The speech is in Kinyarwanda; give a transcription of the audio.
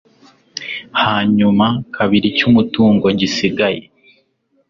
hanyuma kabiri cy'umutungo gisigaye